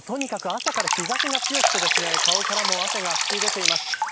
とにかく朝から日差しが強くて顔からも汗が吹き出ています。